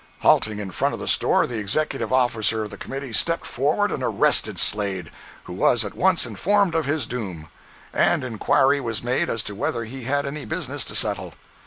Halting in front of the store, the executive officer of the committee stepped forward and arrested Slade, who was at once informed of his doom, and inquiry was made as to whether he had any business to settle.